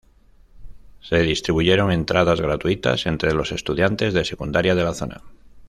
Se distribuyeron entradas gratuitas entre los estudiantes de secundaria de la zona.